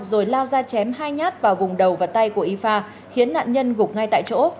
rồi lao ra chém hai nhát vào vùng đầu và tay của yfa khiến nạn nhân gục ngay tại chỗ